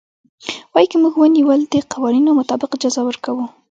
وايي که موږ ونيول د قوانينو مطابق جزا ورکوو.